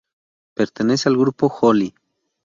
Pertenece al Grupo Joly.